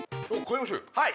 はい